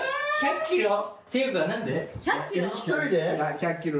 １００キロ？